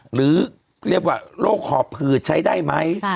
หรือเรียกว่าโรคหอบหืดใช้ได้ไหม